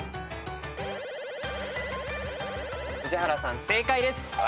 宇治原さん正解です。